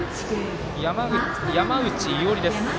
山内伊織です。